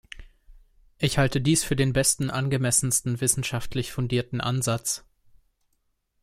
Ich halte dies für den besten, angemessensten, wissenschaftlich fundierten Ansatz.